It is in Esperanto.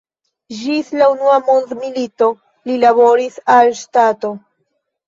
Ĝis la unua mondmilito li laboris al ŝtato.